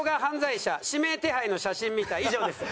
以上です。